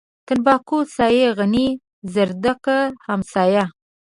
تنباکو سايه غيي ، زردکه همسايه.